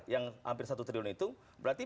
yang hampir satu triliun itu berarti